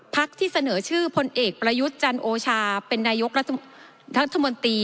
ที่เสนอชื่อพลเอกประยุทธ์จันโอชาเป็นนายกรัฐมนตรี